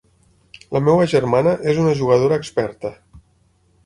La meva germana és una jugadora experta.